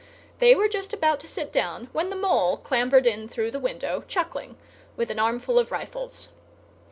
They were just about to sit down when the Mole clambered in through the window, chuckling, with an armful of rifles.